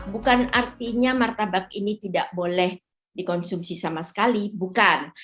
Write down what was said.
bukan artinya martabak ini tidak boleh dikonsumsi sama sekali bukan